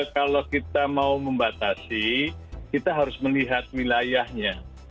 kalau kita mau membatasi kita harus melihat wilayahnya